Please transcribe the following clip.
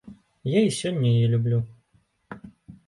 Я і сёння яе люблю.